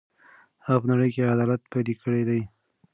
هغه په نړۍ کې عدالت پلی کړی دی.